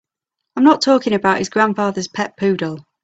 I'm not talking about his grandfather's pet poodle.